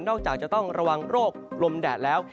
จากจะต้องระวังโรคลมแดดแล้ว